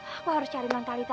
aku harus cari nontalita